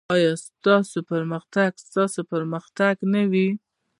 ایا ستاسو پرمختګ به چټک نه وي؟